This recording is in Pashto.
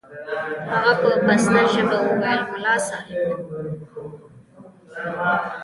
هغه په پسته ژبه وويل ملا صاحب.